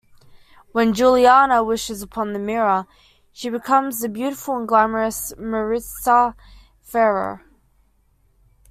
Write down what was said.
When Juliana wishes upon the mirror, she becomes the beautiful and glamorous Maritza Ferrer.